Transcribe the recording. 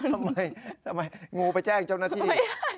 ทำไมทำไมงูไปแจ้งเจ้าหน้าที่